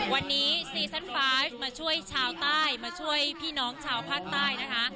วันนี้ซีซั่นไฟล์มาช่วยชาวใต้มาช่วยพี่น้องชาวภาคใต้นะคะ